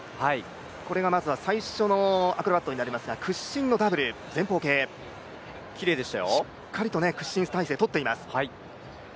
これがまずは最初のアクロバットになりますが、屈伸のダブル前方系、しっかりと屈伸体制をとっています。